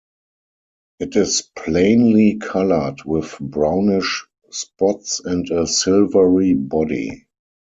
It is plainly coloured with brownish spots and a silvery body.